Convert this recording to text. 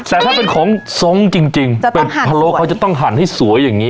แต่ถ้าเป็นของทรงจริงจริงจะต้องหันเป็ดพะโลเขาจะต้องหันให้สวยอย่างงี้